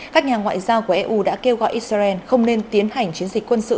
các nhà ngoại giao của eu đã kêu gọi israel không nên tiến hành chiến dịch quân sự